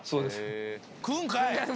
食うんかい！